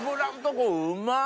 こうまっ！